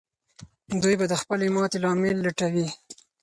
دوی به د خپلې ماتې لامل لټوي.